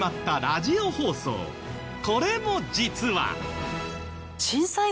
これも実は。